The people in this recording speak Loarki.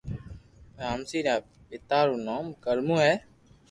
رامسي رآ پيتا رو نو ڪرمون ھي